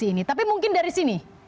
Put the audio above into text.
di sini tapi mungkin dari sini